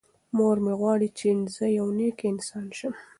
مور مې غواړي چې زه یو نېک انسان شم.